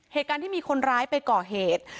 เหตุการณ์ที่มีคนร้ายไปก่อเหตุ